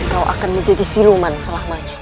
kau akan menjadi siluman selamanya